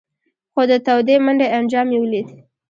خو د تودې منډۍ انجام یې ولید.